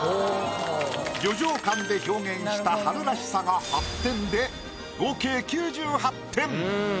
旅情感で表現した春らしさが８点で合計９８点！